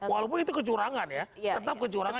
walaupun itu kecurangan ya tetap kecurangan